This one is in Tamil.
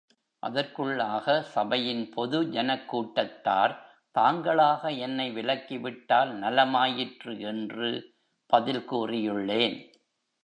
அதற்குள்ளாக, சபையின் பொது ஜனக் கூட்டத்தார், தாங்களாக என்னை விலக்கி விட்டால் நலமாயிற்று என்று பதில் கூறியுள்ளேன்.